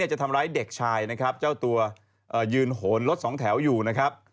จะทำร้ายเด็กชายนะครับเจ้าตัวยืนโหนรถสองแถวอยู่นะครับ